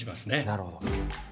なるほど。